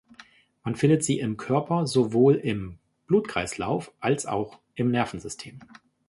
Man findet sie im Körper sowohl im Blutkreislauf als auch im Nervensystem.